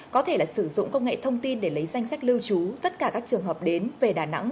có thể là sử dụng công nghệ thông tin để lấy danh sách lưu trú tất cả các trường hợp đến về đà nẵng